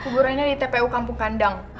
kuburannya di tpu kampung kandang